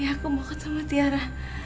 ya aku mau ketemu tiara